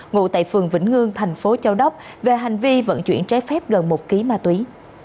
ngụ tại phường vĩnh ngư thành phố châu đốc về hành vi vận chuyển trái phép gần một kg ma túy